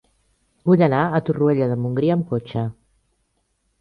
Vull anar a Torroella de Montgrí amb cotxe.